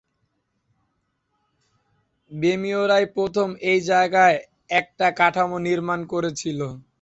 রোমীয়রাই প্রথম এই জায়গায় একটা কাঠামো নির্মাণ করেছিল।